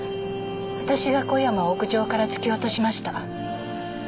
私が小山を屋上から突き落としました。